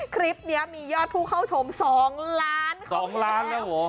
คลิปนี้มียอดผู้เข้าชม๒ล้านคนแล้ว